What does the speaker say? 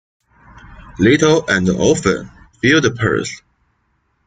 Little and often fill the purse.